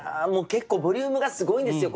結構ボリュームがすごいんですよ